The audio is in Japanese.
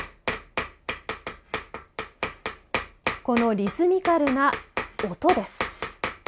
このリズミカルな音です。